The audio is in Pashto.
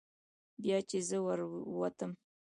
بیا چې زه ور ووتم.